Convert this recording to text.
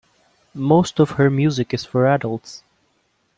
Most of her music is for adults.